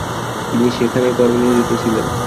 তিনি সেখানেই কর্মে নিয়োজিত ছিলেন।